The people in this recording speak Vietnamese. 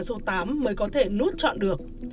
khi bập khóa số tám mới có thể nút chọn được